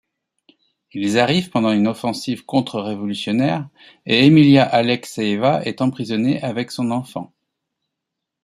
Ils arrivent pendant une offensive contre-révolutionnaire et Emilia Alekseïva est emprisonnée avec son enfant.